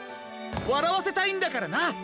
わらわせたいんだからな。